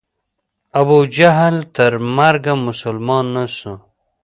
ابو جهل تر مرګه مسلمان نه سو.